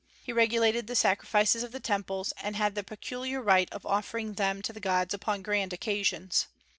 He regulated the sacrifices of the temples, and had the peculiar right of offering them to the gods upon grand occasions.